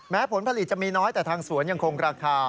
ผลผลิตจะมีน้อยแต่ทางสวนยังคงราคา